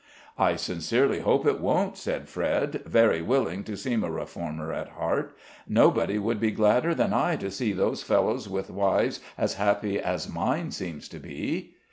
"I sincerely hope it won't," said Fred, very willing to seem a reformer at heart, "nobody would be gladder than I to see those fellows with wives as happy as mine seems to be."